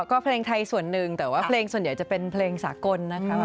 ก็เพลงไทยส่วนหนึ่งแต่ว่าเพลงส่วนใหญ่จะเป็นเพลงสากลนะคะ